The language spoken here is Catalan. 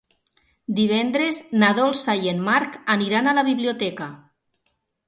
Divendres na Dolça i en Marc aniran a la biblioteca.